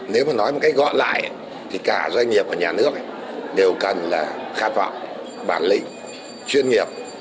nếu mà nói một cách gọi lại thì cả doanh nghiệp và nhà nước đều cần là khát vọng bản lĩnh chuyên nghiệp